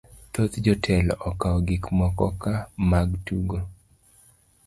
Thoth jotelo okawo gik moko ka mag tugo